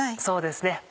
そうですね。